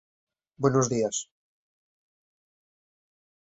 Tuvo influencia fundamental en el desarrollo de la narrativa indigenista en el Perú.